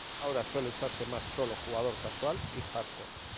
Ahora suele usarse más solo jugador casual y "hardcore".